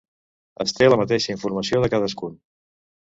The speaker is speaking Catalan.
Es té la mateixa informació de cadascun.